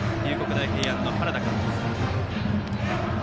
大平安の原田監督。